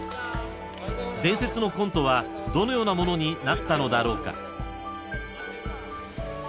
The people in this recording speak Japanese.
［伝説のコントはどのようなものになったのだろうか？］